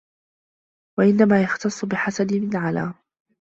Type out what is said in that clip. وَإِنَّمَا يَخْتَصُّ بِحَسَدِ مِنْ عَلَا